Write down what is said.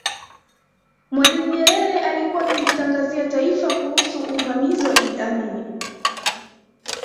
Mwalimu Nyerere alikuwa akilitangazia taifa kuhusu uvamizi wa Idi Amin